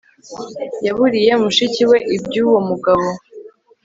Yaburiye mushiki we ibyuwo mugabo